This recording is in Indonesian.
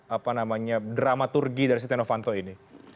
apa namanya dramaturgi dari setia novanto ini